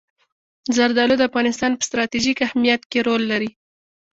زردالو د افغانستان په ستراتیژیک اهمیت کې رول لري.